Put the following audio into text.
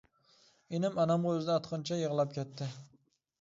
ئىنىم ئانامغا ئۆزىنى ئاتقىنىچە يىغلاپ كەتتى.